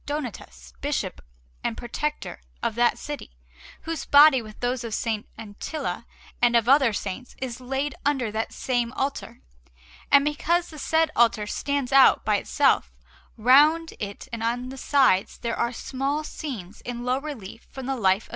Donatus, Bishop and Protector of that city, whose body, with those of S. Antilla and of other Saints, is laid under that same altar. And because the said altar stands out by itself, round it and on the sides there are small scenes in low relief from the life of S.